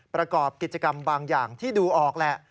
ประกอบกิจกรรมบางอย่างที่ดูออกแหละ